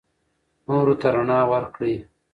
نورو ته رڼا ورکړئ.